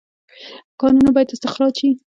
کانونه باید استخراج شي